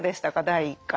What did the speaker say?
第１回。